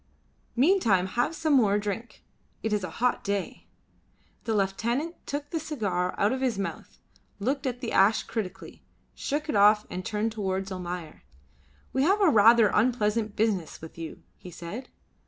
Meantime have some more drink. It is a hot day." The lieutenant took the cigar out of his mouth, looked at the ash critically, shook it off and turned towards Almayer. "We have a rather unpleasant business with you," he said.